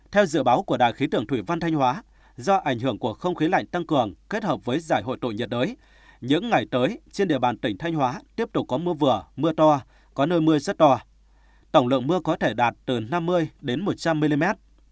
theo dự báo của đài khí tượng thủy văn thanh hóa do ảnh hưởng của không khí lạnh tăng cường kết hợp với giải hội tội nhiệt đới những ngày tới trên địa bàn tỉnh thanh hóa tiếp tục có mưa vừa mưa to có nơi mưa rất to tổng lượng mưa có thể đạt từ năm mươi đến một trăm linh mm